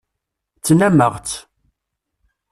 Ttnnameɣ-tt.